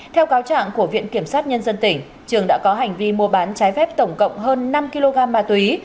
theo cáo trạng của viện kiểm sát nhân dân tỉnh trường đã có hành vi mua bán trái phép tổng cộng hơn năm kg ma túy